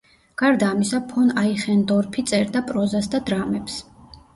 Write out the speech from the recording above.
გარდა ამისა ფონ აიხენდორფი წერდა პროზას და დრამებს.